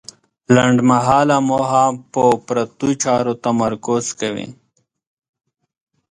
لنډمهاله موخه په پرتو چارو تمرکز کوي.